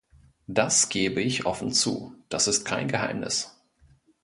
Das gebe ich offen zu, das ist kein Geheimnis.